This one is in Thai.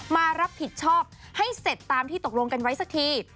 มารับผิดชอบให้เสร็จตามที่ตกลงกันไว้สักที